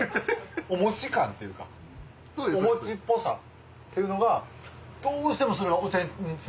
お餅感っていうかお餅っぽさっていうのがどうしてもそれがお茶につながるんですよ。